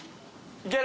いける。